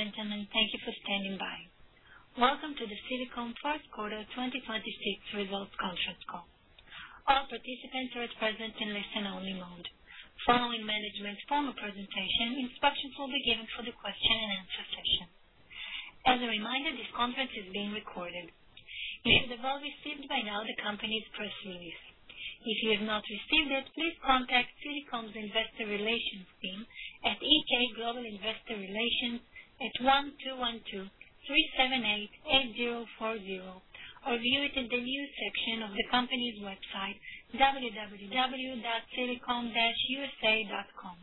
Ladies and gentlemen, thank you for standing by. Welcome to the Silicom Q1 2026 results conference call. All participants are at present in listen only mode. Following management's formal presentation, instructions will be given for the question and answer session. As a reminder, this conference is being recorded. You should have all received by now the company's press release. If you have not received it, please contact Silicom's investor relations team at EK Global Investor Relations at 1-212-378-8040 or view it in the news section of the company's website, www.silicom-usa.com.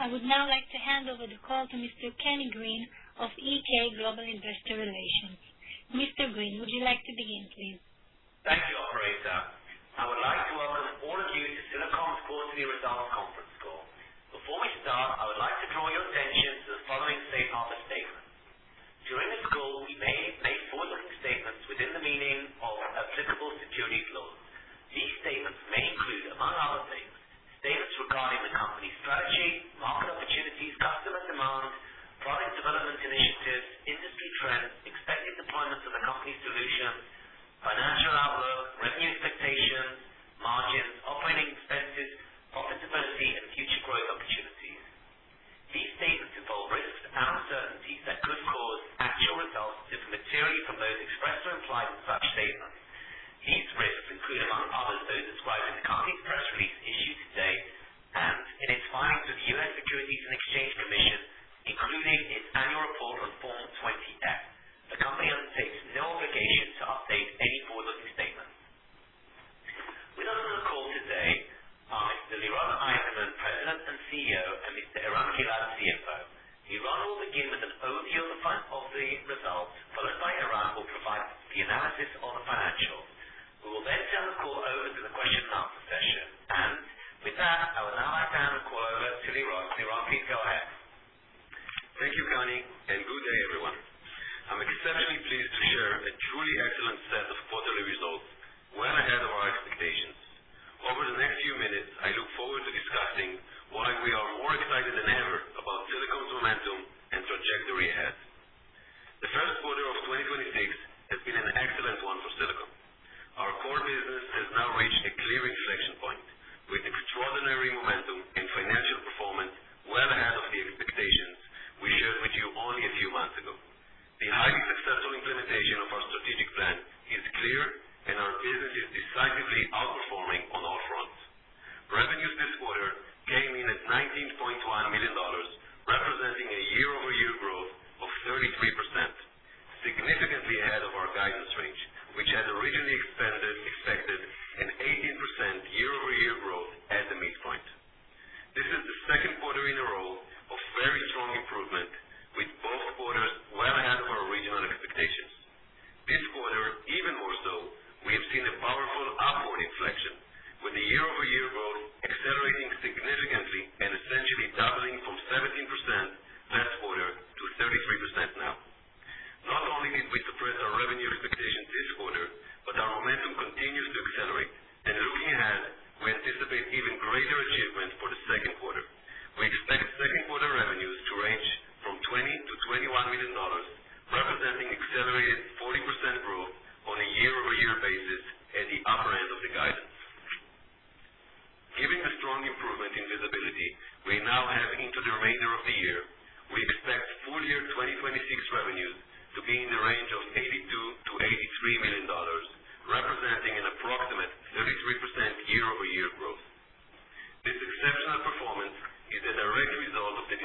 I would now like to hand over the call to Mr. Kenny Green of EK Global Investor Relations. Mr. Green, would you like to begin, please? Thank you, Operator. I would like to welcome all of you to Silicom's quarterly results conference call. Before we start, I would like to draw your attention to the following safe harbor statement. During this call, we may make forward-looking statements within the meaning of applicable securities laws. These statements may include, among other things, statements regarding the company's strategy, market opportunities, customer demand, product development initiatives, industry trends, expected deployment of the company's solutions, financial outlook, revenue expectations, margins, operating expenses, profitability and future growth opportunities. These statements involve risks and uncertainties that could cause actual results to differ materially from those expressed or implied in such statements. These risks include, among others, those described in the company's press release issued today and in its filings with the U.S. Securities and Exchange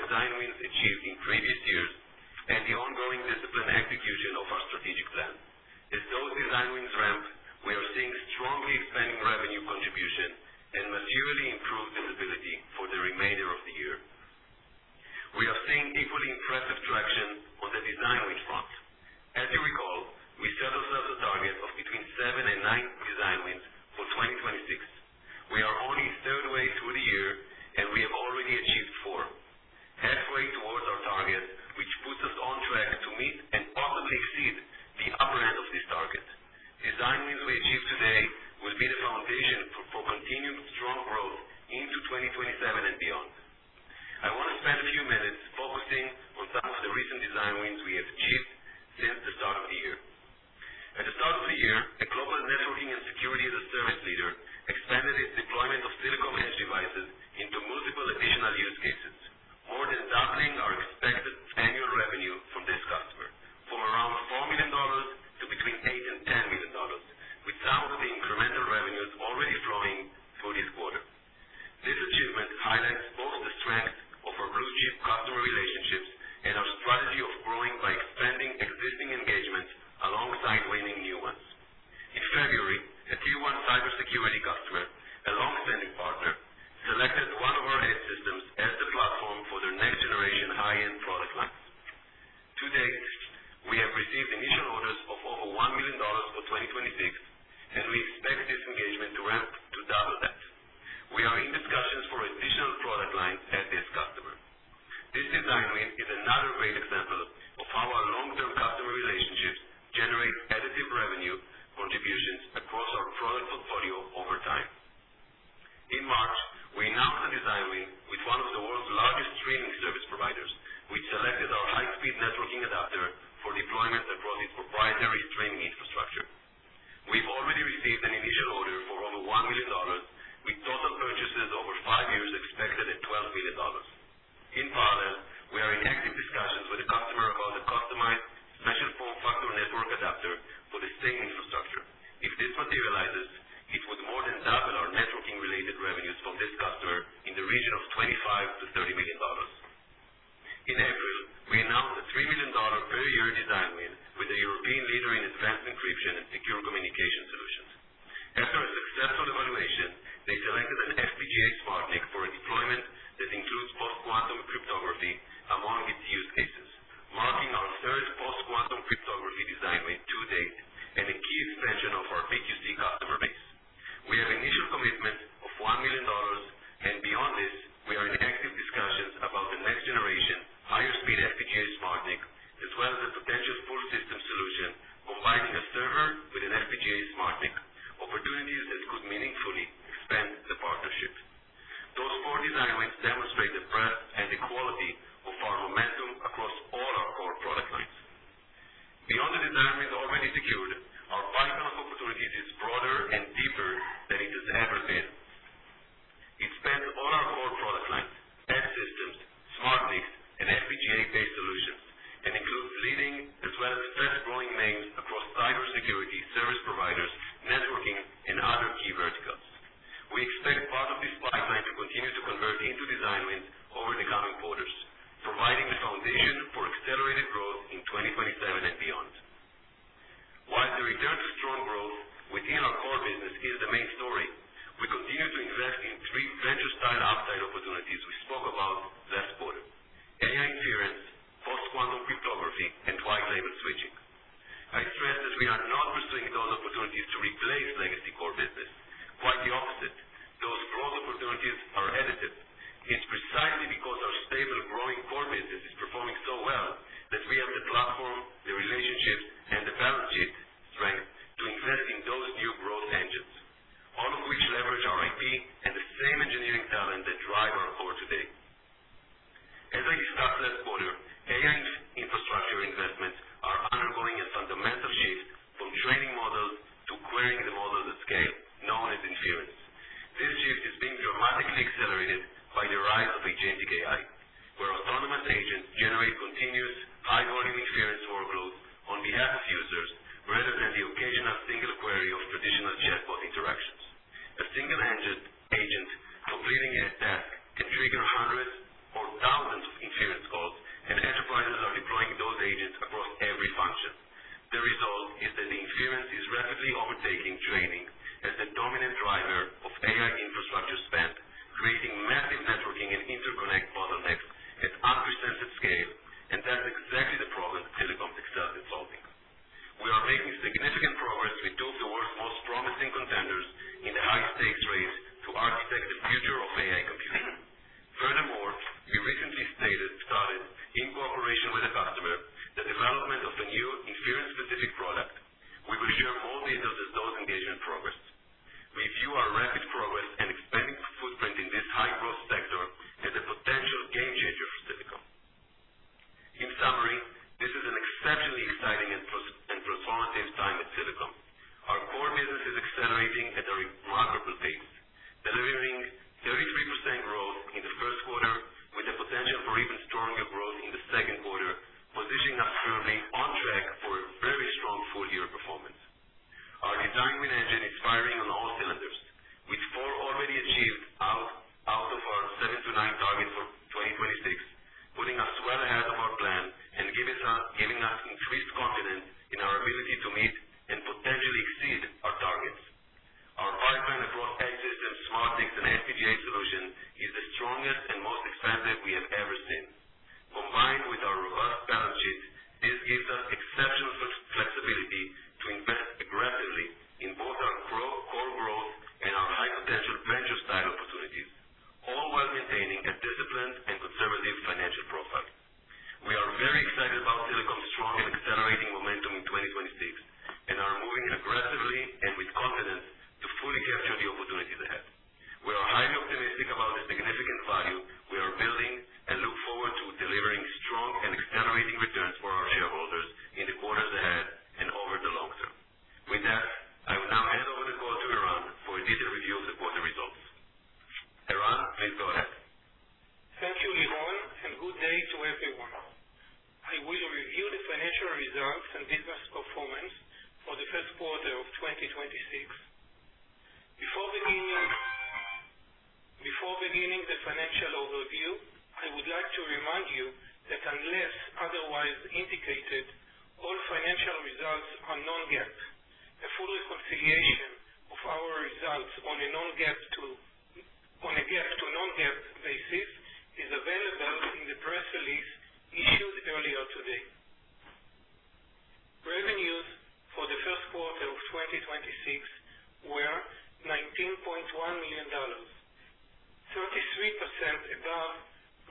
design wins achieved in previous years and the ongoing disciplined execution of our strategic plan. As those design wins ramp, we are seeing strongly expanding revenue contribution and materially improved visibility for the remainder of the year. We are seeing equally impressive traction on the design win front. As you recall, we set ourselves a target of between seven and nine design wins for 2026. We are only third way through the year and we have already achieved four, halfway towards our target, which puts us on track to meet and possibly exceed the upper end of this target. Design wins we achieve today will be the foundation for continued strong growth into 2027 and beyond. I want to spend a few minutes focusing on some of the recent design wins we have achieved higher speed FPGA SmartNIC, as well as a potential full system solution combining a server with an FPGA SmartNIC, opportunities that could meaningfully expand the partnership. Those four design wins demonstrate the breadth and the quality of our momentum across all our core product lines. Beyond the design wins already secured, our pipeline of opportunities is broader and deeper than it has ever been. It spans all our core product lines, Edge systems, SmartNICs, and FPGA-based solutions, and includes leading as well as fast-growing names across cybersecurity, service providers, networking, and other key verticals. We expect part of this pipeline to continue to convert into design wins over the coming quarters, providing the foundation for accelerated growth in 2027 and beyond. While the return to strong growth within our core business is the main story, we continue to invest in three venture style upside opportunities we spoke about last quarter, AI inference, post-quantum cryptography, and white label switching. I stress that we are not pursuing those opportunities to replace legacy core business. Quite the opposite.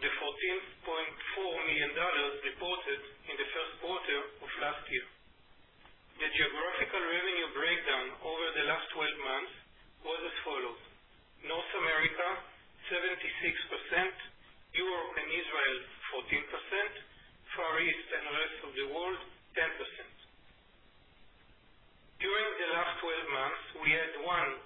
the $14.4 million reported in the Q1 of last year. The geographical revenue breakdown over the last 12 months was as follows. North America, 76%. Europe and Israel, 14%. Far East and rest of the world, 10%. During the last 12 months, we had one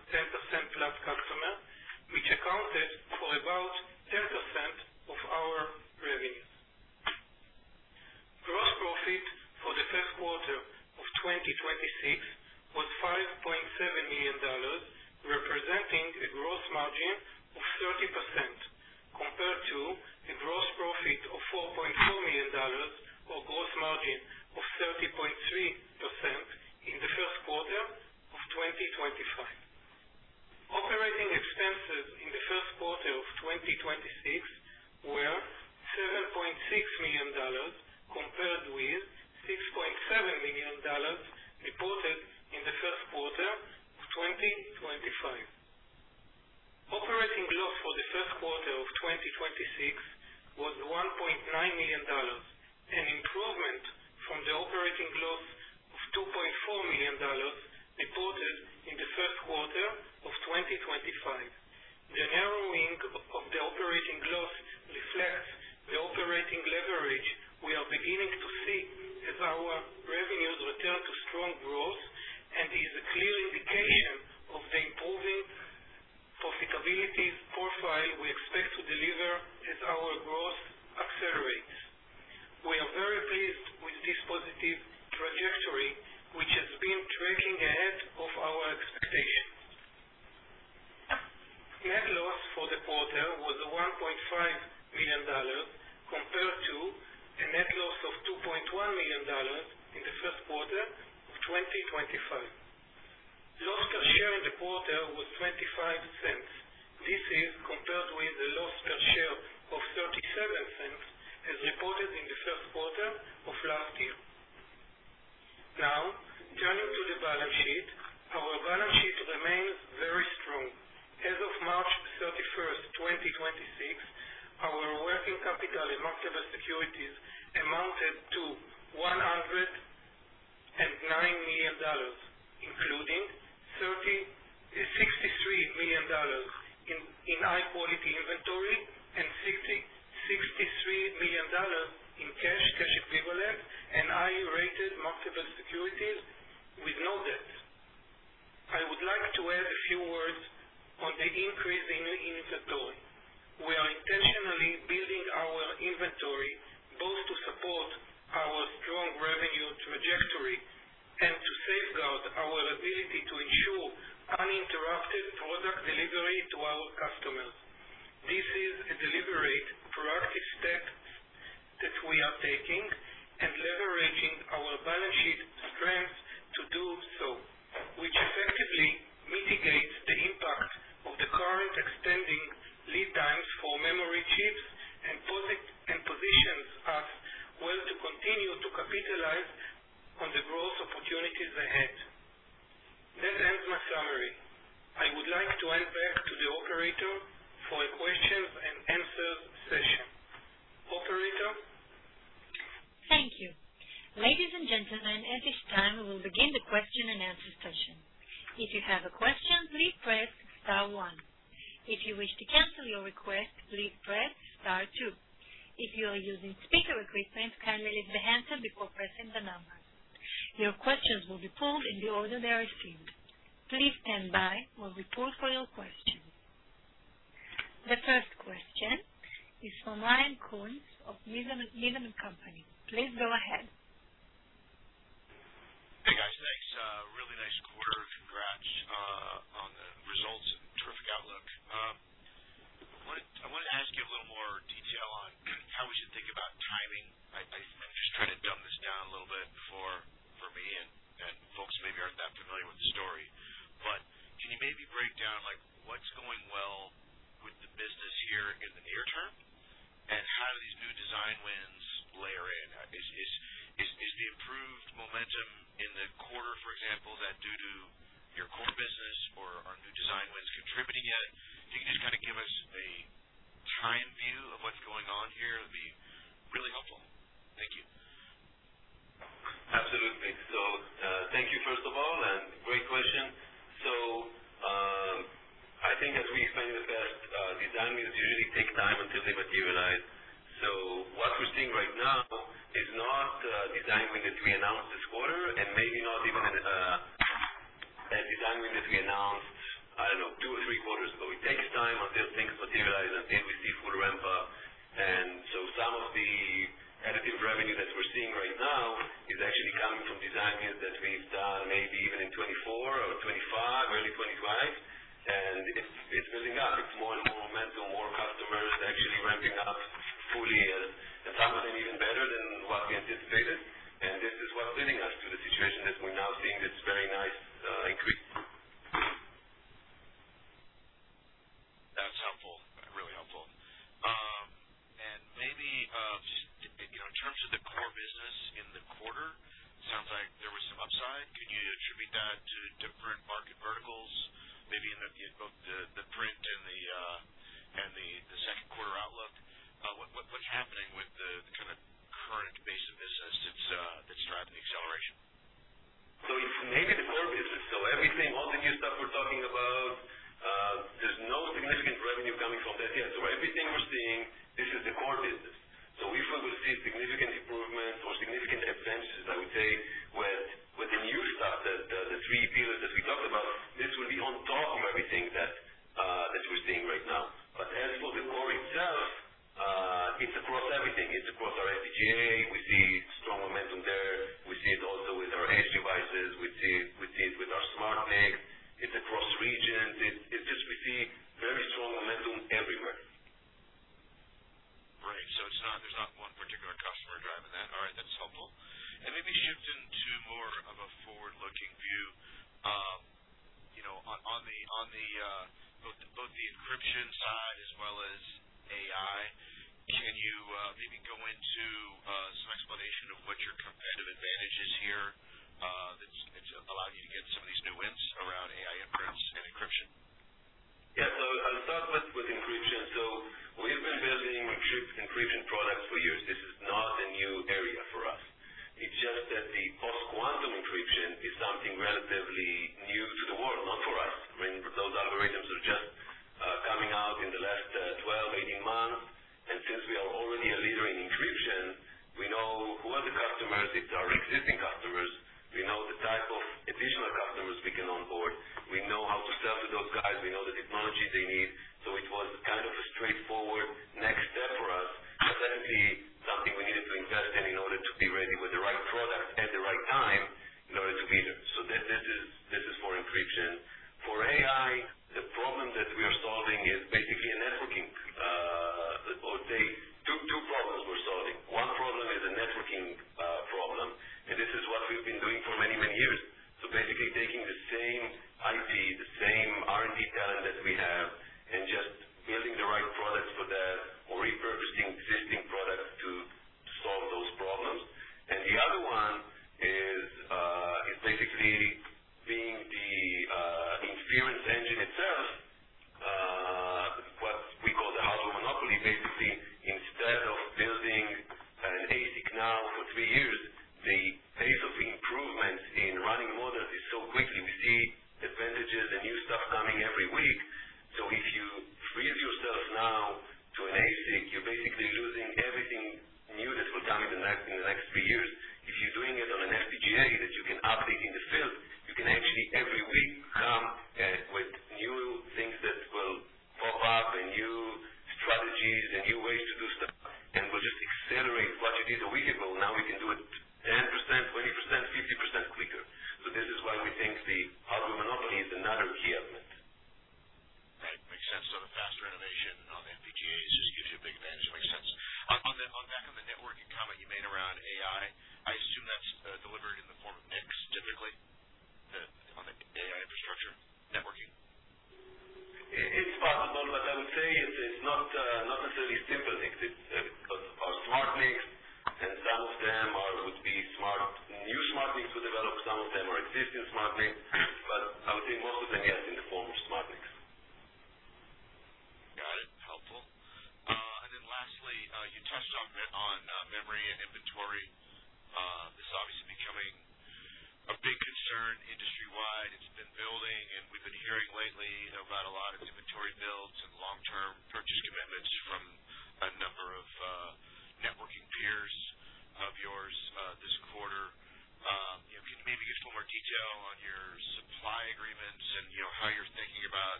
10%+ customer, which accounted for about 10% of our revenue. Gross profit for the Q1 of 2026 was $5.7 million, representing a gross margin of 30% compared to a gross profit of $4.4 million or gross margin of 30.3% in the Q1 of 2025. Operating expenses in the Q1 of 2026 were $7.6 million compared with $6.7 million reported in the Q1 of 2025. Operating loss for the Q1 of 2026 was $1.9 million, an improvement from the operating loss of $2.4 million reported in the Q1 of 2025. The narrowing of the operating loss reflects the operating leverage we are beginning to see as our revenues return to strong growth and is a clear indication of the improving profitability profile we expect to deliver as our growth accelerates. We are very pleased with this positive trajectory, which has been tracking ahead of our expectations. Net loss for the quarter was $1.5 million compared to a net loss of $2.1 million in the Q1 of 2025. Loss per share in the quarter was $0.25. This is compared with a loss per share of $0.37 as reported in the Q1 of last year. Now, turning to the balance sheet. Our balance sheet remains very strong. As of March 31th, 2026, our working capital and marketable securities amounted to $109 million, including $63 million in high quality inventory, and $63 million in cash equivalent, and high rated marketable securities with no debt. I would like to add a few words on the increase in inventory. We are intentionally building our inventory both to support our strong revenue trajectory and to safeguard our ability to ensure uninterrupted product delivery to our customers. This is a deliberate, proactive step that we are taking and leveraging our balance sheet strength to do so, which effectively mitigates the impact of the current extending lead times for memory chips and positions us well to continue to capitalize on the growth opportunities ahead. That ends my summary. I would like to hand back to the operator for a question and answer session. Operator? Thank you ladies and gentle men, at this time, we will beging the question and answer session. If you have a question, please press star one. If you wish to cancel your request, please press star two. If you are using speaker equipment, please lift the handset before pressing the number. Your questions will be polled in the order they were received. Please standby while we poll for your questions. The first question is from Ryan Koontz of Needham & Company. Please go ahead. Hey, guys. Thanks. Really nice quarter. Congrats on the results and terrific outlook. I want to ask you a little more detail on how we should think about timing. I'm just trying to dumb this down a little bit for me and folks who maybe aren't that familiar with the story. Can you maybe break down, like, what's going well with the business here in the near term? How do these new design wins layer in? Is the improved momentum in the quarter, for example, that due to your core business or are new design wins contributing yet? Can you just kind of give us a time view of what's going on here? It'd be really helpful. Thank you. Absolutely. Thank you first of all, and great question. I think as we explained in the past, design wins usually take time until they materialize. What we're seeing right now is not a design win that we announced this quarter, and maybe not even a design win that we announced, I don't know, two or three quarters ago. It takes time until things materialize, until we see full ramp up. Some of the additive revenue that we're seeing right now is actually coming from design wins that we've done maybe even in 2024 or 2025, early 2025. It's building up. It's more and more momentum, more customers actually ramping up fully, and some of them even better than what we anticipated. This is what's leading us to the situation that we're now seeing this very nice increase. That's helpful. Really helpful. Maybe, just, you know, in terms of the core business in the quarter, sounds like there was some upside. The kind of current base of business that's driving the acceleration. It's just that the post-quantum encryption is something relatively new to the world, not for us. I mean, those algorithms are just coming out in the last 12, 18 months. Since we are already a leader in encryption, we know who are the customers. It's our existing customers. We know the type of additional customers we can onboard. We know how to sell to those guys. We know the technology they need.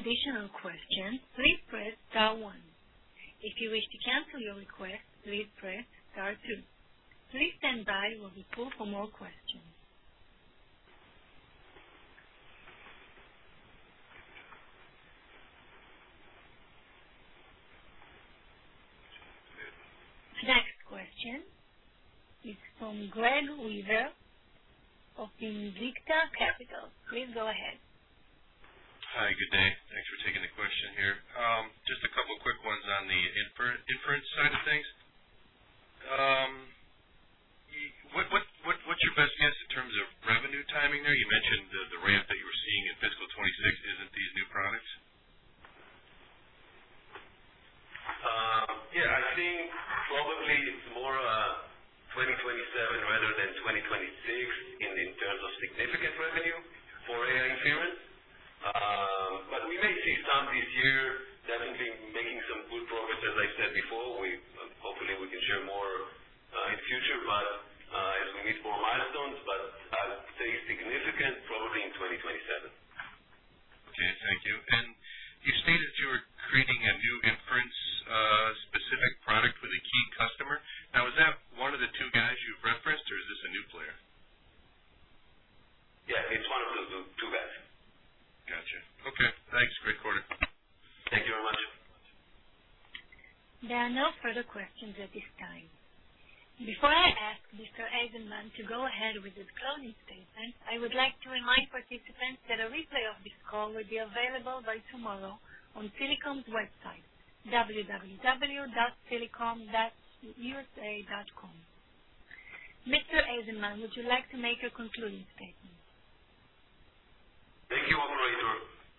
specs of the product or exploring with the customer exactly what would make them happy and allow them to keep selling the product in the best way for them. It's definitely something that takes effort from us, but we think it's gonna be something that will allow us to build a relationship for many, many more years with those customers. You're able to pass those increased costs of memory on to your customers as part of your contracts with your customers? Mostly, yes. Most of it. Okay. You're not anticipating a major gross margin hit in the coming quarters? No, I don't think so. Great, that was the question I had. If you have any additional questions, please press star one. If you wish to cancel your request, please press star two. Please standby while we poll for more questions. Next question is from Greg Weaver of Invicta Capital. Please go ahead. Hi, good day. Thanks for taking the question here. Just a couple of quick ones on the inference side of things. What's your best guess in terms of revenue timing there? You mentioned the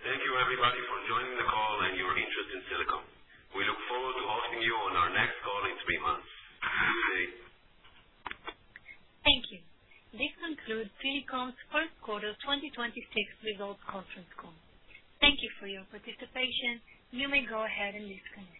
Thank you everybody for joining the call and your interest in Silicom. We look forward to hosting you on our next call in three months. Bye. Thank you. This concludes Silicom's Q1 2026 results conference call. Thank you for your participation. You may go ahead and disconnect.